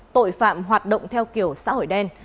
tội phạm hoạt động theo kiểu xã hội đen